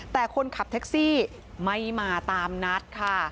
แต่คนขับแท็กซี่ไม่มาตามนัดค่ะ